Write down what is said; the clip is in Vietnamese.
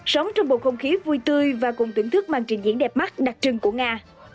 sống trong một không khí vui tươi và cùng tưởng thức mang trình diễn đẹp mắt đặc trưng của nga